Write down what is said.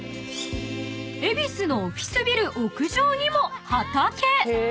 ［恵比寿のオフィスビル屋上にも畑！］